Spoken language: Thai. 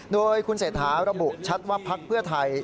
โดยคุณเศรษฐาระบุชัดว่าพักเพื่อไทย